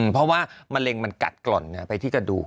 เพราะว่ามะเร็งมันกัดกร่อนไปที่กระดูก